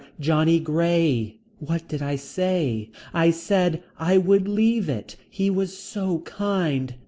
Johnny Grey. What did I say. I said I would leave it. He was so kind.